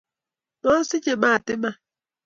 Mosichei mat iman